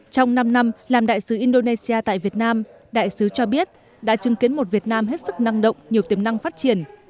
trong năm năm làm đại sứ indonesia tại việt nam đại sứ cho biết đã chứng kiến một việt nam hết sức năng động nhiều tiềm năng phát triển